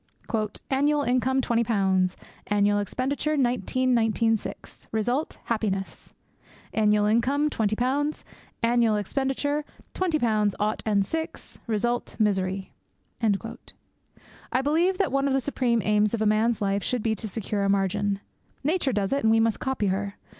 'Annual income twenty pounds; annual expenditure nineteen nineteen six; result happiness. Annual income twenty pounds; annual expenditure twenty pounds ought and six; result misery.' I believe that one of the supreme aims of a man's life should be to secure a margin. Nature does it, and we must copy her.